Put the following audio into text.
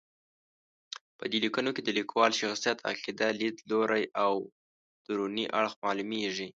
په دې لیکنو کې د لیکوال شخصیت، عقیده، لید لوری او دروني اړخ معلومېږي.